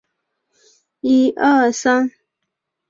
该物种的模式产地在尼泊尔和阿波山区。